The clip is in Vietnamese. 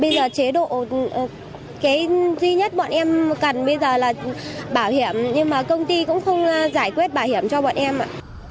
bây giờ chế độ cái duy nhất bọn em cần bây giờ là bảo hiểm nhưng mà công ty cũng không giải quyết bảo hiểm cho bọn em ạ